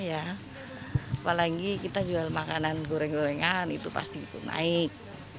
apalagi kita jual makanan goreng gorengan itu pasti naik